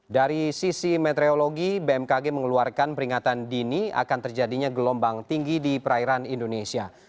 dari sisi meteorologi bmkg mengeluarkan peringatan dini akan terjadinya gelombang tinggi di perairan indonesia